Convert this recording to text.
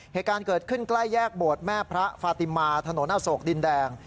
เหตุการณ์เกิดขึ้นใกล้แยกโบสถแม่พระฟาติมาถนนอโศกดินแดง